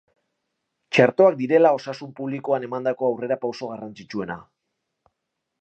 Txertoak direla osasun publikoan emandako aurrera pauso garrantzitsuena.